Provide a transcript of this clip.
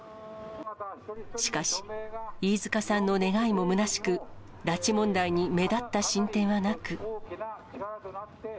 しかし、飯塚さんの願いもむなしく、拉致問題に目立った進展はなく。